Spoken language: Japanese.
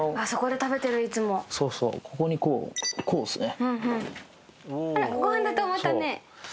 そうそうここにこうこうですね。